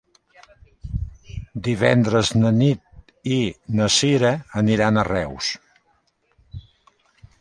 Divendres na Nit i na Sira aniran a Reus.